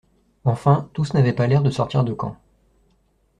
Enfin, tous n’avaient pas l’air de sortir de camps